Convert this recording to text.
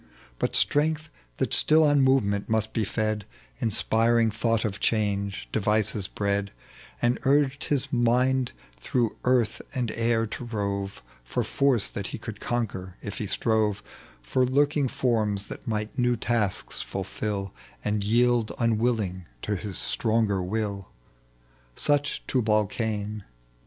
But strength that still on movement must be fed, Inspiring thought of change, devices bred, And urged his mind through earth and air to rove For force that he could conquer if he strove, For lurldi^ forms that might new tasks fulfil And yield unwilling to his stronger will. Such Tubal Cain.